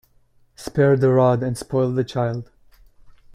Spare the rod and spoil the child.